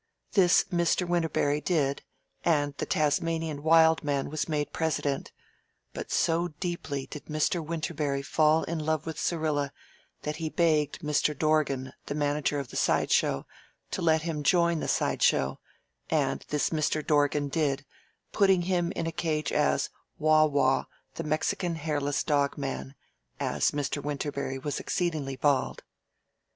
This Mr. Winterberry did and the Tasmanian Wild Man was made President, but so deeply did Mr. Winterberry fall in love with Syrilla that he begged Mr. Dorgan, the manager of the side show, to let him join the side show, and this Mr. Dorgan did, putting him in a cage as Waw Waw, the Mexican Hairless Dog Man, as Mr. Winterberry was exceedingly bald.